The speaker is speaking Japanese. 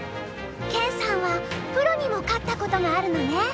研さんはプロにも勝ったことがあるのね。